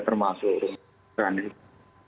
termasuk rumah satu rumah satu